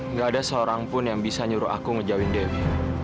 nggak ada seorang pun yang bisa nyuruh aku ngejauhin devi